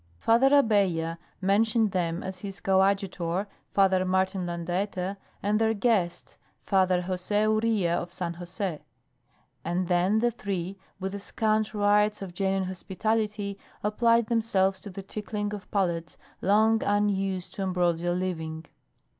Father Abella mentioned them as his coadjutor Father Martin Landaeta, and their guest Father Jose Uria of San Jose; and then the three, with the scant rites of genuine hospitality, applied themselves to the tickling of palates long unused to ambrosial living.